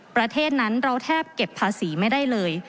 ประเทศนั้นเราแทบเก็บภาษีไม่ได้เลย